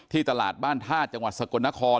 ตลาดบ้านธาตุจังหวัดสกลนคร